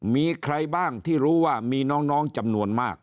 มีใครบ้างที่รู้ว่ามีน้องจำนวนมาก